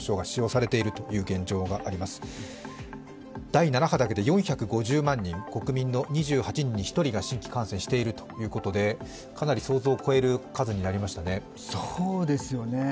第７波だけで４５０万人国民の２８人に１人が新規感染しているということで新規感染しているということでかなり想像を超える数になりましたよね。